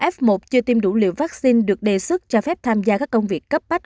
f một chưa tiêm đủ liều vaccine được đề xuất cho phép tham gia các công việc cấp bách